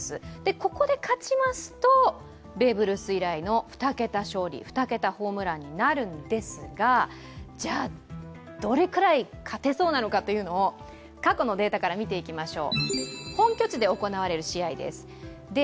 ここで勝ちますと、ベーブ・ルース以来の２桁勝利・２桁ホームランになるんですが、どれくらい勝てそうなのかというのを、過去のデータから見ていきましょう。